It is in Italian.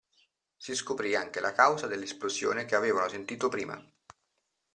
Si scoprì anche la causa dell'esplosione che avevano sentito prima.